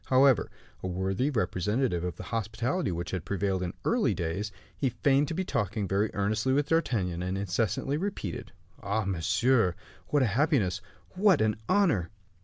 However, a worthy representative of the hospitality which prevailed in early days, he feigned to be talking very earnestly with D'Artagnan, and incessantly repeated: "Ah! monsieur, what a happiness! what an honor!"